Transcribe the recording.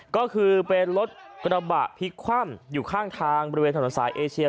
ก็คือเป็นรถกระบะพลิกคว่ำอยู่ข้างทางบริเวณถนนสายเอเชีย